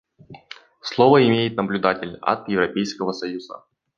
Слово имеет наблюдатель от Европейского союза.